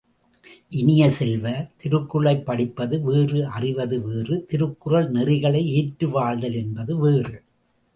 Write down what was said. இனிய செல்வ, திருக்குறளைப் படிப்பது வேறு அறிவது வேறு திருக்குறள் நெறிகளை ஏற்று வாழ்தல் என்பது வேறு.